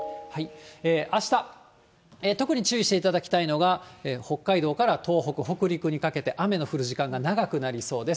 あした、特に注意していただきたいのが、北海道から東北、北陸にかけて、雨の降る時間が長くなりそうです。